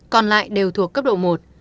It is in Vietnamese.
còn lại đều thuộc cấp độ một